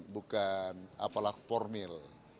bukan apalagi formil